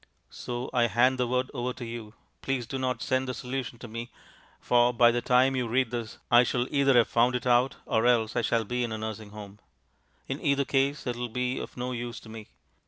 So I hand the word over to you. Please do not send the solution to me, for by the time you read this I shall either have found it out or else I shall be in a nursing home. In either case it will be of no use to me.